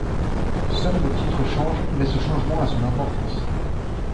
Seul le titre change, mais ce changement a son importance.